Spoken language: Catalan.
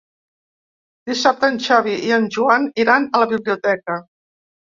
Dissabte en Xavi i en Joan iran a la biblioteca.